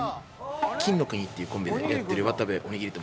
金の国っていうコンビでやってる渡部おにぎりと申します。